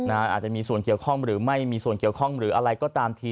อาจจะมีส่วนเกี่ยวข้องหรือไม่มีส่วนเกี่ยวข้องหรืออะไรก็ตามที